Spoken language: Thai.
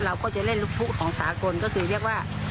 เราก็จะเล่นลูกทุ่งของสากลก็คือเรียกว่า